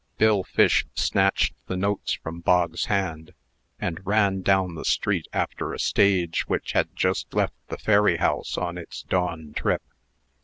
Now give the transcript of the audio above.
Bill Fish snatched the notes from Bog's hand, and ran down the street after a stage which had just left the ferry house on its down trip.